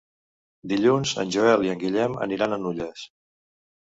Dilluns en Joel i en Guillem aniran a Nulles.